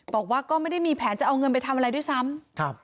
บอกว่าก็ไม่ได้มีแผนจะเอาเงินไปทำอะไรด้วยซ้ำ